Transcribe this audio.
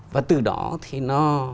và từ đó thì nó